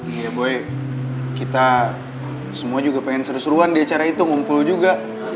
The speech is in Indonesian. iya buy kita semua juga pengen seru seruan di acara itu ngumpul juga